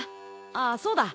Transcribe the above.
あっそうだ。